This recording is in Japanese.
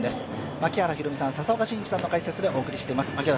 槙原寛己さん、佐々岡真司さんの解説でお送りしています。